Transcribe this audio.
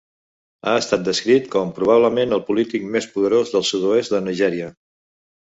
Ha estat descrit com "probablement el polític més poderós del sud-oest de Nigèria".